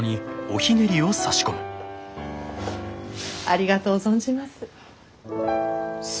ありがとう存じます。